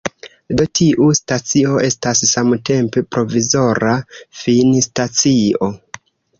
Do, tiu stacio estas samtempe provizora finstacio.